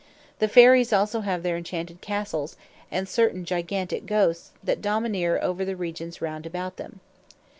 The Fairies also have their enchanted Castles, and certain Gigantique Ghosts, that domineer over the Regions round about them.